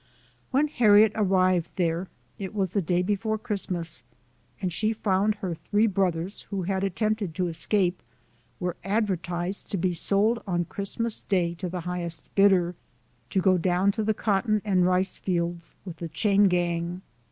When Harriet arrived there, it was the day before Christmas, and she found her three brothers, who had attempted to escape, were advertised to be sold on Christmas day to the highest bidder, to go down to the cotton and rice fields with the chain gang.